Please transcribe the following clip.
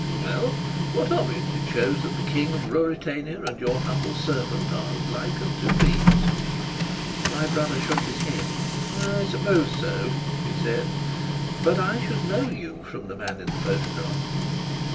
"Well, what of it? It shows that the King of Ruritania and your humble servant are as like as two peas." My brother shook his head. "I suppose so," he said. "But I should know you from the man in the photograph."